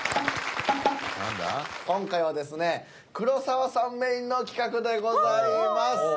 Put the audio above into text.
今回はですね黒沢さんメインの企画でございます。